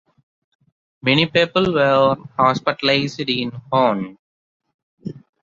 Many people were hospitalized in Hoorn.